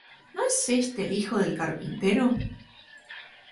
¿No es éste el hijo del carpintero?